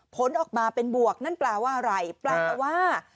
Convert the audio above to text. ผลออกมาเป็นบวกนั่นแปลว่าอะไรแปลว่า